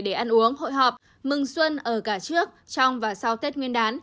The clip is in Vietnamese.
để ăn uống hội họp mừng xuân ở cả trước trong và sau tết nguyên đán